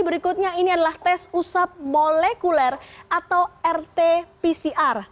berikutnya ini adalah tes usap molekuler atau rt pcr